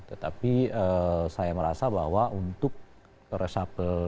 tetapi saya merasa bahwa untuk risa fowl